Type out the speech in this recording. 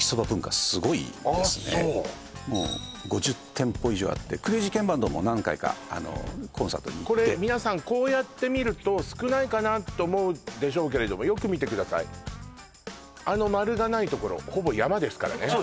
そう５０店舗以上あってクレイジーケンバンドも何回かコンサートに行ってこれ皆さんこうやって見ると少ないかなと思うでしょうけれどもよく見てくださいあの丸がないところほぼ山ですからね